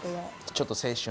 ちょっと青春？